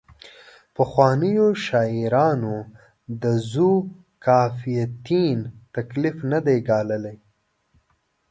پخوانیو شاعرانو د ذوقافیتین تکلیف نه دی ګاللی.